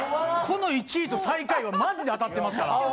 この１位と最下位はマジで当たってますから。